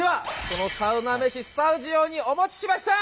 そのサウナ飯スタジオにお持ちしました！